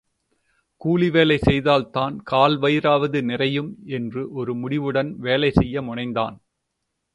கூலி வேலை செய்தால்தான் கால் வயிறாவது நிறையும் என்று ஒரு முடிவுடன் வேலை செய்ய முனைந்தான்.